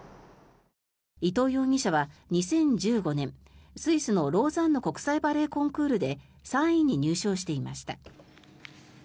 伊藤容疑者は２０１５年スイスのローザンヌ国際バレエコンクールで３位に入賞していました。